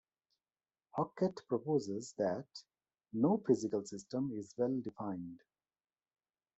Hockett proposes that "no physical system is well-defined".